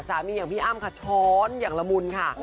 อย่างพี่อ้ำค่ะช้อนอย่างละมุนค่ะ